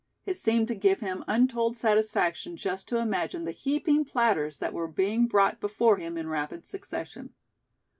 It seemed to give him untold satisfaction just to imagine the heaping platters that were being brought before him in rapid succession.